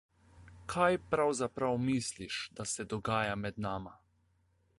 Kaj pravzaprav misliš, da se dogaja med nama?